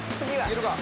いけるか。